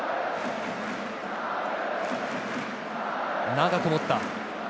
長く持った。